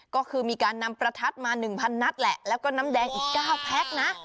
ก็คือมีการนำประทัดมาหนึ่งพันนัดแหละแล้วก็นำแดงอีกเก้าแพ็คนะ